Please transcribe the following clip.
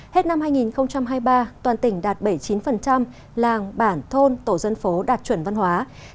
hết năm hai nghìn hai mươi ba toàn tỉnh đạt bảy mươi chín làng bản thôn tổ dân phố đạt chuẩn văn hóa